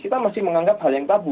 kita masih menganggap hal yang tabu